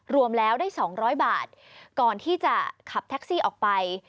รวมแล้วได้๒๐๐บาทก่อนที่จะขับแท็กซี่ออกไป